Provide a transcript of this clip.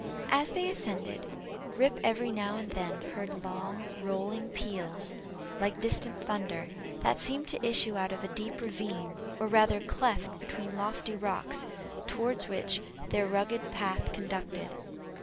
As they ascended, Rip every now and then heard long rolling peals, like distant thunder, that seemed to issue out of a deep ravine, or rather cleft between lofty rocks, toward which their rugged path conducted.